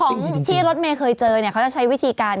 ของที่รถเมย์เคยเจอเนี่ยเขาจะใช้วิธีการ